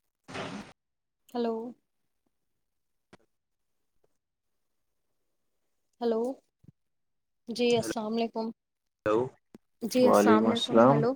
[inaudible] Hello hello جی السلام علیکم ہلو جی السلام علیکم ہیلو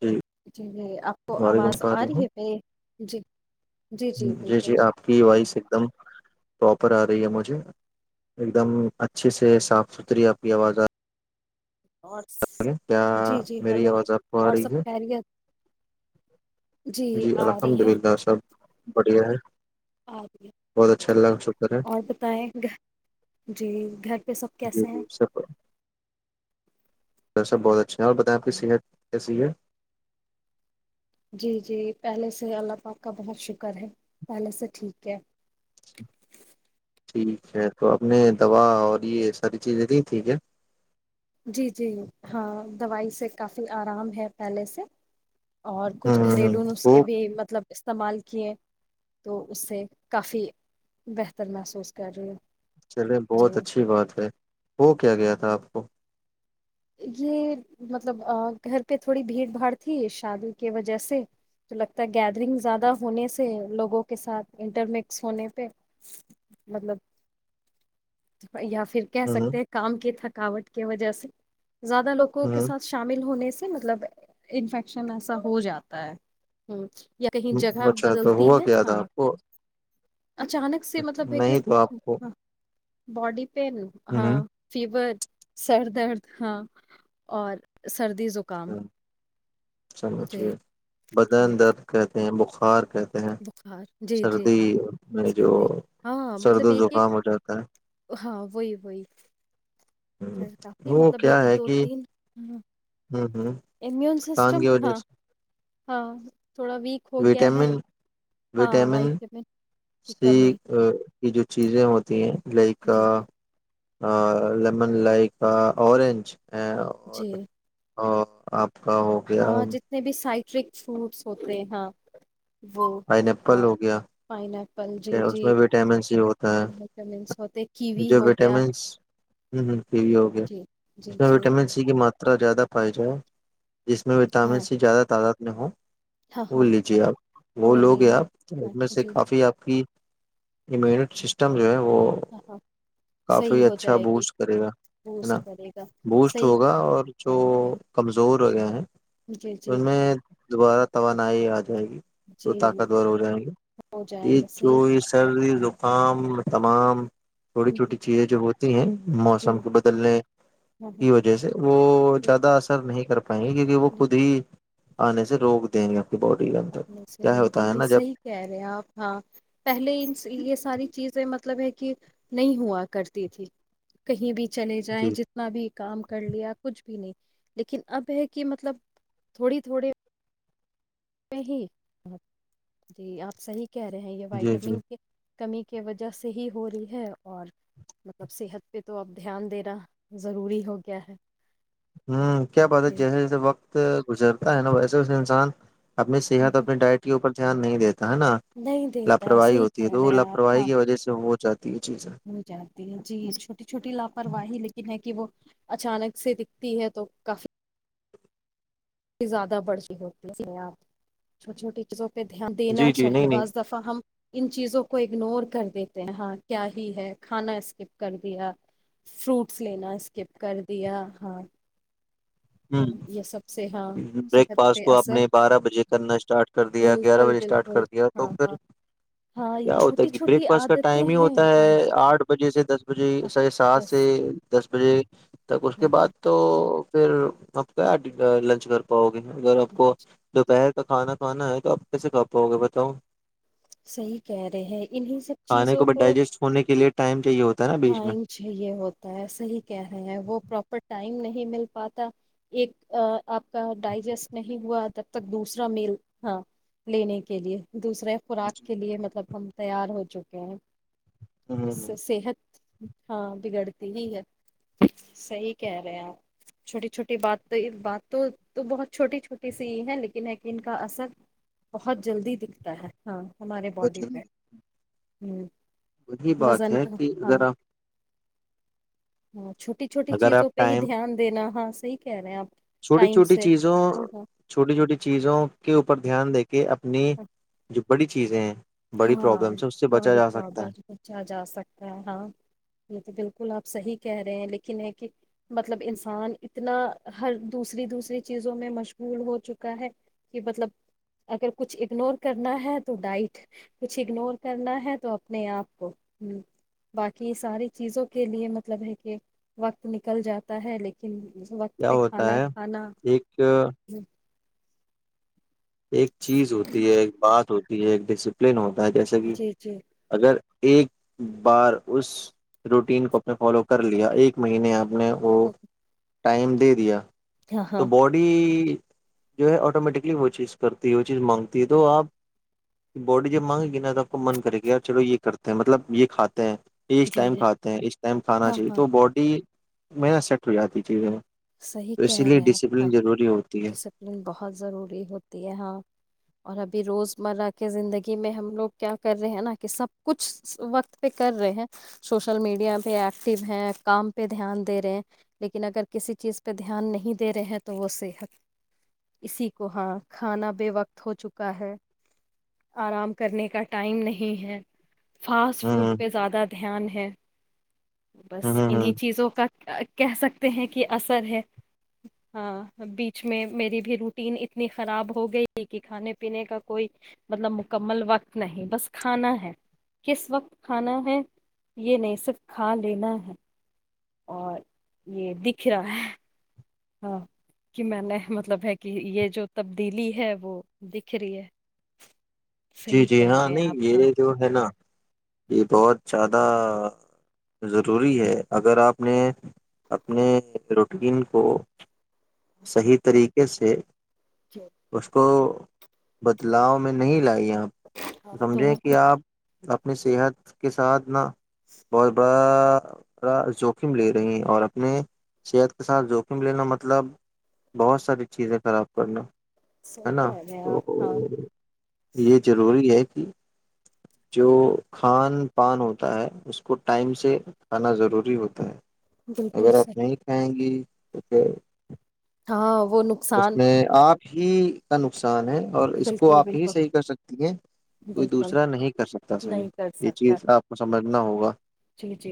جی [inaudible] آپ کو وعلیکم آواز آ رہی السلام ہے پ جی جی جی آپ کی وائس ایک دم پراپر آ رہی ہے مجھے ایک دم اچھے سے صاف ستھری آپ کی آواز آ اور کیا جی جی میری ہلو آواز آپ کو آ اور رہی سب ہے خیریت جی آ الحمد رہی ہے للہ سب بڑھیا ہے آ گ بہت اچھا اللہ کا شکر ہے اور بتائیں گ جی گھر پہ سب جی کیسے ہیں جی سر سا بہت اچا اچھا اور بتائ آپ کی صحت کیسی ہے جی جی پہلے سے اللہ پاک کا بہت شکر ہے پہلے سے ٹھیک ہے ٹھیک ہے تو آپ نے دوا اور یہ ساری چیزیں تھ تھییک ہے جی جی ہاں دوائی سے کافی آرام ہے پہلے سے اور ہ کچھ ہ گھریلو نس کے وہ بھی مطلب استعمال کیے تو اس سے کافی بہتر محسوس کر رہی ہے چلے بہت اچھی بات ہے وہ کیا گیا تھا آپ ا یہ مطلب گھر پہ تھوڑی بھیڑ بھاڑ تھی شادی کی وجہ سے تو لگتا ہے گیدرنگ زیادہ ہونے سے لوگوں کے ساتھ انٹر مکس ہونے پہ مطلب یا پھر کہہ ہ سکتے ہیں کام کے تھک تھکاوٹ کی وجہ سے زیادہ لوگوں کے ہ ساتھ شامل ہونے سے مطلب انفیکشن ایسا ہو جاتا ہے یا کہیں جگہ اچھا تو بدلتی ہوا ہے کیا تھا ہاں آپ کو اچانک سے مطلب ہے کہ نہیں تو آپ کو ہ باڈی پین ہاں ہ فیور سرد ارد ہاں اور سردی زکام چلو ٹھ جی ہے جی بدن درد کہتے ہیں ب فار بخار جی جی میں سر جو ہاں سرد مطلب و ایک ایک زکام ہو جاتا ہاں وہی وہی ہ وہ کیا ہے کہ ہوں ہوں ہوں کان کی وجہ ہاں سے ہاں تھوڑا ویک ہو گیا ہے وٹامن ہاں وائ وٹامن میں کی کمی یہ جو چیزیں ہوتی ہیں ل کا جی جی ہ لیمن لائک اورورنج جی ا آپ کا ہو گیا اسٹرک فوڈس ہوتے ہ وہ ہاں فائن آرٹ ہے اس میں وٹامن سی ہوتا وٹامنس ہوتے ہے کیوی جو ہو گیا وٹامن ہ پ وی ہو گیا جی جی اس میں جی وٹامن سی ماترا زیادہ پے جس میں وٹامن ہاں سی زیادہ تعداد نوں ہاں ہاں بول لیجے آپ وہ لوگ ہیں لینی آپ ہاں اس میں سے جی کافی آپ امیونٹی سسٹم جو ہے وہ ہاں ہاں صحیح کافی ہو اچھا جائے گی بوسٹ کرے گا ہے بوسٹ نا کرے گا بوسٹ صحیح ہوگا اور جو کیا گیا کمزور ہو گئے ہیں جی جی ان میں دوبارہ توانائی آ جائے گی جی تو طاقتور ہو جائیں ہو گے جائیں یہ گے صحیح جو یہ سردی زکام تمام چھوٹی چھوٹی چیزیں جو ہوتی ہیں جی موسم کو بدلنے ہاں ہاں کی وجہ سے وہ جی زیادہ اثر نہیں کر پات کہ کہ کہ وہ جی خودی آنے سے روک دیں گا اپنے سے رتے ہیں صحیح کہہ رہے آپ ہاں پہلے یہ ساری چیزیں مطلب ہے کہ نہیں ہوا کرتی تھی کہیں بھی چلے جائیں جی جتنا بھی کام کر لیا کچھ بھی نہیں لیکن اب ہے کہ مطلب تھوڑی تھوڑی ہی جی آپ صحیح کہہ رہے ہیں یہ جی جی وائٹامن کے کمی کی وجہ سے ہی ہو رہی ہے اور مطلب صحت پہ تو اب دھیان دینا ضروری ہو گیا ہے ہوں کیا بات ہے جی جیسے جیسے وقت گزرتا ہے نا بھائی ج انسان اپنی صحت اور اپنی ڈائٹ کے اوپر دھیان نہیں دیتے ہے نا نہیں دیتا لاپروی صحیح ہوتی ہے کہہ تو رہے وہ ہیں آپ لاپرواہی ہاں کی وجہ سے وہ چاہ ہو جاتی ہے جی چھوٹی چھوٹی لاپرواہی لیکن ہے کہ وہ اچانک سے دکھتی ہے تو کافی زیادہ بڑھتیی ہوتی ت چھوٹی چھوٹی چیزوں پہ دھیان دینا جی جی نہیں چاہے نہیں بعض دفعہ ہم ان چیزوں کو اگنور کر دیتے ہیں ہاں کیا ہی ہے کھانا اسکپ کر دیا فروٹس لینا اسکپ کر دیا ہاں ہ تو یہ سب سے ہاں بریک صحت فاسٹ پہ کو آپ اثر نے بارہ بجے کرنا اسٹارٹ کر دیا گیارہ بالکل بجے اسٹارٹ بالکل کر دیا تو ہاں ہاں پھر ہاں یہ کیا ہوتا ہے چھوٹی کہ بریک چھوٹی فاسٹ کا عادتیں ٹائم ہی ہیں ہوتا ہاں ہے آٹھ بجے سے دس بجے ہاں س سات بس سے دس ا [unintelligible] تک اس کے ہاں ہاں بعد تو پھر آپ کیا لنچ کر پاؤ گے اگر آپ کو دوپہر کا کھانا کھانا ہے تو آپ کیسے کھا پاؤ گے بتاؤ صحی کہہ رہے ہیں انہیں سب کھانے چیزوں کو ڈائجسٹ ہونے کے لیے ٹائم چاہیے ہوتا ہے نا بیچ میں ٹائم چاہیے ہوتا ہے صحیح کہہ رہے ہیں وہ پراپر ٹائم نہیں مل پاتا ایک آپ کا ڈائجسٹ نہیں ہوا تب تک دوسرا میل ہاں لینے کے لیے دوسرے خوراک جی کے لیے مطلب ہم تیار ہو چکے ہیں ہوں ہ صحت ہاں بگڑتی ہی ہے صحی کہہ رہے آپ چھوٹی چھوٹی بات تو بات تو تو بہت چھوٹی چھوٹی سی یہ ہے لیکن یہ کہ ان کا اثر بہت جلدی دکھتا ہے ہاں ہمارے بہت باڈی پہ ضروری ہوں وہی بات ہے کہ اذیرا ہوں چھوٹی چھوٹی آپ چیزوں پہ ہی ٹائم دھیان دینا صحی کہہ رہے ہیں آپ چھوٹی ٹائم چھوٹی سے چیزوں ہاں ہاں چھوٹی چھوٹی چیزوں کے اوپر دھیان دیکھ کہ اپنی جو بڑی چیزیں ہیں بڑی ہاں پرابلمس ہے اس سے بچا پرڈی جا سکتا پرلم ہے پوچا جا سکتا ہے ہاں یہ تو بالکل آپ صحیح کہہ رہے ہیں لیکن یہ کہ مطلب انسان اتنا ہر دوسری دوسری چیزوں میں مشغول ہو چکا ہے کہ مطلب اگر کچھ اگنور کرنا ہے تو ڈائٹ کچھ اگنور کرنا ہے تو اپنے آپ کو ہ باقی ساری چیزوں کے لیے مطلب ہے کہ وقت نکل جاتا ہے لیکن وقت کیا پ ہوتا کھانا ہے کھانا ایک ایک ہ ایک چیز ہوتی ہے ایک بات ہوتی یہ ایک ڈسپلن ہو ت جسکے جی جی اگر [unintelligible] ایک بار اس روٹین کو اپنے فالو کر لیا ایک مہینے آپ [unintelligible] ج نے وہ [unintelligible] ٹائم دے دیا ہاں [unintelligible] تو ہاں باڈی [unintelligible] جو ہے آٹومیٹکلی وہ چیز [unintelligible] کرتی ہے وہ چیز مانگتی ہے تو آپ باڈی جب مانگے گی نا تو آپ کو من کرے گی یار چلو یہ کرتے ہیں مطلب یہ کھاتے ہیں اس جی ٹائم جی کھاتے ہیں اس ٹائم کھانا ہاں چاہیے ہاں تو باڈی [unintelligible] محنت سیٹ ہو جاتی چیزیں [unintelligible] صحیح اسی کہہ لیے رہے آپ ہ ڈسپلن ضروری ہوتی ہے ڈسپلن بہت ضروری ہوتی ہے ہا [unintelligible] اور ابھی روزمرہ کے زندگی میں ہم لوگ کیا کر رہے ہیں نا کہ سب کچھ وقت پہ کر رہے ہیں سوشل میڈیا پہ ایکٹیو ہے کام پہ دھیان دے رہے ہیں لیکن اگر کسی چیز پہ دھیان نہیں دے رہے ہیں تو وہ صحت اسی کو ہاں کھانا بے وقت ہو چکا ہے آرام کرنے کا ٹائم نہیں ہے [unintelligible] ہ فاسٹ فوڈ پہ ہ زیادہ [unintelligible] دھیان ہے بس ہ ہ انیں چیزوں کا [unintelligible] کہہ سکتے ہیں کہ [unintelligible] کی اثر ہے ہ بیچ میں میری بھی روٹین اتنی خراب ہو گئی کہ کھانے پینے کا کوئی مطلب مکمل وقت نہیں بس کھانا ہے کس وقت کھانا ہے یہ نہیں صرف کھا لینا ہے [unintelligible] اور یہ دکھ رہا ہے [unintelligible] ہاں کہ میں نے مطلب ہے کہ یہ جو تبدیلی ہے وہ دکھ رہی ہے [unintelligible] جی صحیح جی کہہ ہاں رہے ہیں نہیں آپ یہ ہاں جو ہے نا [unintelligible] یہ بہت زیادہ ضروری ہے اگر آپ نے اپنے روٹین کو [unintelligible] صحیح طریقے سے [unintelligible] جو اسس کو [unintelligible] بدلاؤ میں نہیں لائییا [unintelligible] تھا تو سمجھیں کہ آپ [unintelligible] اپنی صحت کے ساتھ نہ [unintelligible] بہت بہت [unintelligible] جوخم لے رہی ہیں اور اپنے صحت کے ساتھ جوخم لینا مطلب بہت ساری چیزیں خراب کرنا [unintelligible] ہے صحیح نا کہہ رہے ہیں تو آپ ہاں یہ ضروری ہے جو کھوان پان ہوتا ہے اس کو ٹائم سے کھانا ضروری ہوتا ہے بالکل اگر صحیح آپ نہیں کھائیں گی [unintelligible] ہاں وہ جس نقصان میں آپ ہی کا نقصان ان ہے اور اس کو بالکل آپ ہی بالکل صحیح کر سکتی ہیں کوئی بالکل دوسرا نہیں کر سکتا صحیح نہیں کر یہ سکتا چیز آپ کو سمجھ انا ہوگا جی جی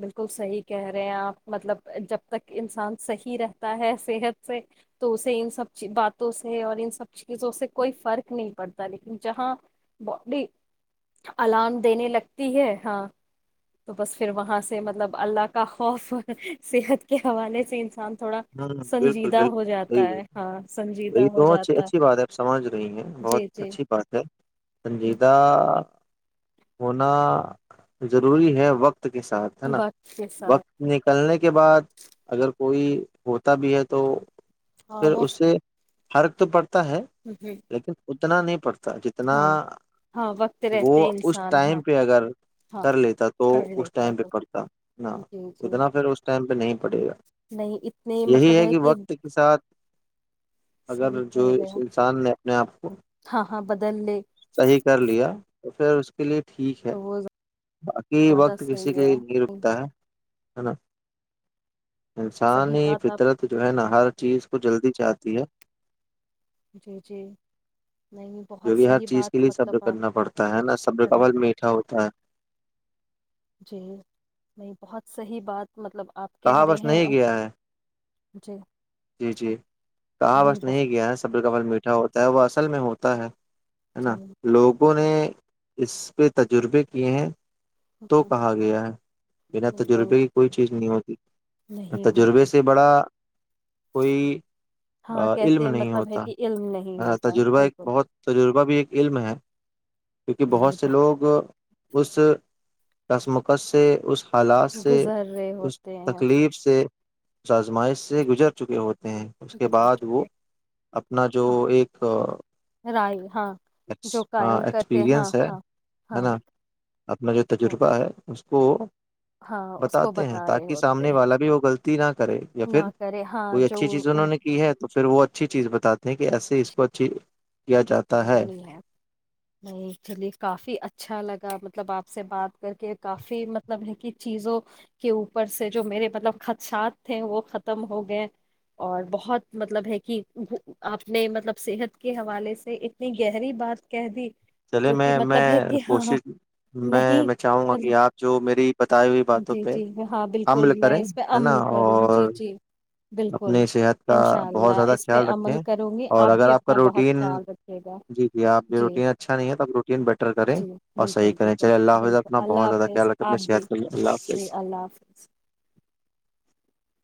بالکل صحیح کہہ رہے ہیں آپ مطلب جب تک انسان صحیح رہتا ہے صحت سے تو اسے ان سب باتوں سے اور ان سب چیزوں سے کوئی فرق نہیں پڑتا لیکن جہاں باڈی اللام دینے لگتی ہے ہاں تو بس پھر وہاں سے مطلب اللہ کا خوف صحت کے حوالے سے انسان تھوڑا ہوں بالکل سنجیدہ ہو بالکل صحیح جاتا ہے ہاں ب سنجیدہ یہی ہو تو اچ جاتا اچھی بات ہے ا سمجھ رہی ہیں بہت جی جی اچھی بات ہے سنجیدہ ہونا ضروری ہے وقت کے ساتھ ہے نا وقت کے ساتھ وقت نکلنے کے بعد اگر کو کوئی ہوتا بھی ہے تو ہاں پھر وہ اسے فرق ہوتا ہے لیکن اتنا نہیں پڑتا جتنا ہاں ہاں وقت وہ رہتے اس انسان ٹائم ہاں پہ اگر ہاں کر لیتا تو کر اس لیتا ٹائم پہ تو پڑتا نہ جی جی اتنا پھر اس ٹائم پہ نہیں پڑے گا نہیں اتنے یہی مطلب ہے کہ وقت کے ساتھ صحیح اگر جو کہہ رہے ہیں انسان نے اپنے اپ کو ہاں ہاں بدل لے صحیح کر لیا تو پھر اس کے لیے ٹھیک ہے تو وہ باقی زیادہ وقت کسی صحیح کے لیے نہیں ہے رکتا ہے ان کی رپورٹ ہے نا انسان صحیح ہی بات آپ فطرت جو ہے نا ہر چیز کو جلدی چاہتی ہے جی جی نہیں جو بہت بھی ہر صحیح چیز بات کے لیے سب نے مطلب آپ کرنا پڑتا ہے نا سب کرنا قبل میٹھا ہوتا ہے جی بہت صحیح بات مطلب اپ کہہ کہا رہے بس ہیں نہیں گیا ہے جی جی جی ہاں بس نہیں گیا صبر کور میٹھا ہوتا ہے وہ اصل میں ہو تا ہے [inaudible] ہے بہت جی نا لوگ بولے اس پہ تجربے کیے ہیں تو کہا گیا ہے میرا بالکل تجربے کی کوئی چیز نہیں ہوتی نہیں تجربے ہوگی سے بڑا کوئی ہاں کہتے علم ہیں نہیں مطلب ہے کہ علم نہیں ہوتا ہوتا تجربہ ایک بالکل بہت تجربہ بھی ایک علم ہے کیونکہ بہت سے نہیں لوگ اس کسمکش سے اس حالات سے گزر رہے اس ہوتے ہیں تکلیف سے آزمائش سے گزر چکے ہو اس کے گزر بعد چکے وہ اپنا جو ہاں ایک رائے ہاں جو ہاں قائم کرتے ہاں ایکسپیرینس ہے ہاں ہاں نا اپنا جو وہ تجربہ ہے تو ہاں اس کو بتاتے ہیں بتا رہے تاکہ ہوتے سامنے والا بھی وہ غلطی نہ کرے یا پھر نہ کرے ہاں کوئی جو اچھی چیز انہوں ان نے کی ہے تو پھر وہ اچھی چیز بتاتے ہیں سے اس پچ کیا جاتا ہے نہیں چلی کافی اچھا لگا مطلب آپ سے بات کر کے کافی مطلب ہے کہ چیزوں کے اوپر سے جو میرے مطلب خدشات تھے وہ ختم ہو گئے اور بہت مطلب ہے کہ اپنے مطلب صحت کے حوالے سے اتنی گہری بات کہہ دی چلے جو میں کہ میں مطلب ہے کہ ہاں کوشش میں نہیں میں چاہوں گا مطلب کہ آپ جو میری بتائی ہوئی باتوں جی پہ جی ہاں بالکل عمل میں کریں اس پہ ہے نا عمل کروں گی۔ جی اور جی بالکل اپنی صحت کا انشاء بہت اللہ زیادہ اس پہ خیال عمل رکھیں کروں گی اور اگر بھی آپ کا اپنا بہت روٹین خیال رکھیے گا جی جی آپ جو روٹین اچھا نہیں ہے تو روٹین بیٹر کریں جی اور صحیح بالکل کریں بالکل چلے اللہ حافظ بالکل اپنا بہت اللہ زیادہ حافظ خیال رکھیں اپنی آپ بھی صحت کے لیے اللہ جی حافظ اللہ حافظ